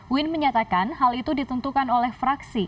win menyatakan hal itu ditentukan oleh fraksi